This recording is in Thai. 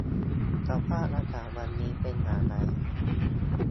สภาพอากาศวันนี้เป็นอย่างไร